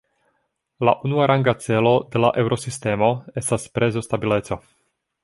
La unuaranga celo de la Eŭrosistemo estas prezostabileco.